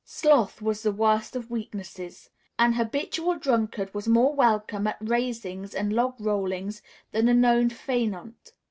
Sloth was the worst of weaknesses. An habitual drunkard was more welcome at "raisings" and "logrollings" than a known faineant.